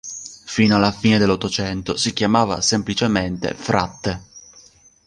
Fino alla fine dell'Ottocento si chiamava semplicemente Fratte.